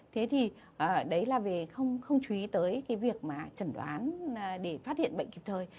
thế thì đấy là về không chú ý tới cái việc mà chẩn đoán để phát hiện bệnh kịp thời